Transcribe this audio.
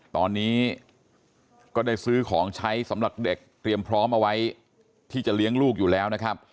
ตอนนี้ก็ได้ซื้อของใช้สำหรับเด็กเตรียมพร้อมเอาไว้ที่จะเลี้ยงลูกอยู่แล้วนะครับ